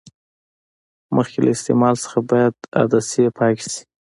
مخکې له استعمال څخه باید عدسې پاکې شي.